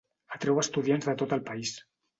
Atreu estudiants de tot el país.